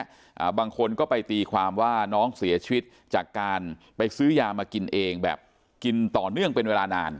อ่าบางคนก็ไปตีความว่าน้องเสียชีวิตจากการไปซื้อยามากินเองแบบกินต่อเนื่องเป็นเวลานาน